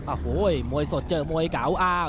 โอ้โฮมวยสดเจอร์มวยเกาอาว